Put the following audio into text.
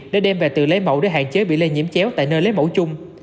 để đem về tự lấy mẫu để hạn chế bị lây nhiễm chéo tại nơi lấy mẫu chung